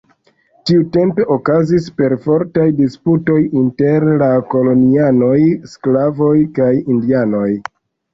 Tiutempe okazis perfortaj disputoj inter la kolonianoj, sklavoj, kaj indianoj.